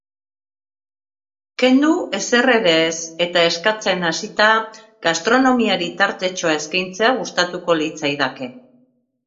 Kendu ezer ere ez eta eskatzen hasita, gastronomiari tartetxoa eskaintzea gustatuko litzaidake.